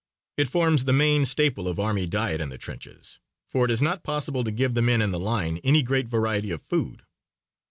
It forms the main staple of army diet in the trenches, for it is not possible to give the men in the line any great variety of food.